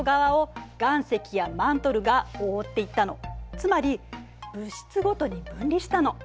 つまり物質ごとに分離したの。